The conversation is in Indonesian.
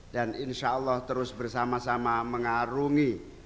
dan insyaallah terus bersama sama mengarungi